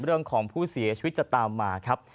เรื่องของผู้เสียชีวิตจะตามมาครับ